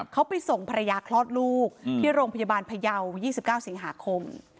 เขาไปส่งภรรยาคลอดลูกที่โรงพยาบาลพยาว๒๙สิงหาคม